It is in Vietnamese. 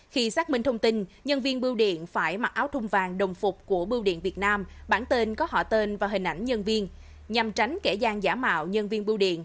khi xác minh thông tin nhân viên bưu tá sẽ giao cho nhân viên bưu tá thuộc bưu điện tp hcm quản lý và thực hiện tại địa chỉ nhà nơi người hưởng cư trú